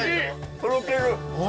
とろける。